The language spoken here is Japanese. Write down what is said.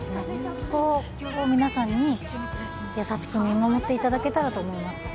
そこを皆さんに優しく見守っていただけたらと思います。